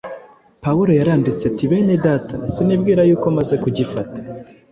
Pawulo yaranditse ati: “Bene Data, sinibwira yuko maze kugifata,